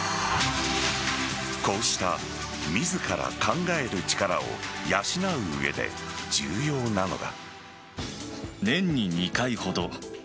こうした自ら考える力を養う上で重要なのが。